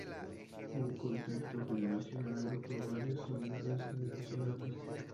Un contexto generacional agrupa varias unidades generacionales.